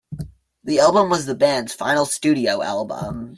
The album was the band's final studio album.